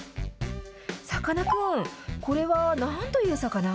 さかなクン、これはなんという魚？